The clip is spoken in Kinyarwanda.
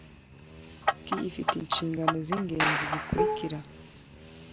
Kie ifite inshingano z ingenzi zikurikira